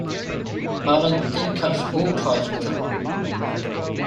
Marlon then cuts all ties with him.